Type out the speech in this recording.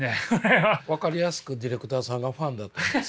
分かりやすくディレクターさんがファンだったんです。